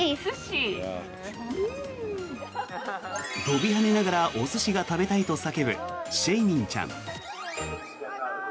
跳びはねながらお寿司が食べたいと話すシェイミンちゃん。